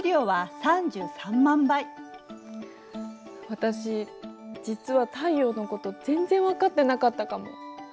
私実は太陽のこと全然分かってなかったかも。